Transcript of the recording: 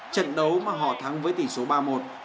trận đấu mà họ thắng với tỷ số ba một